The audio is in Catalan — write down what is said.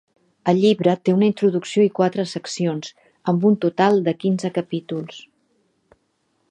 El llibre té una introducció i quatre seccions, amb un total de quinze capítols.